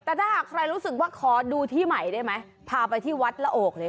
แต่ถ้าหากใครรู้สึกว่าขอดูที่ใหม่ได้ไหมพาไปที่วัดละโอกเลย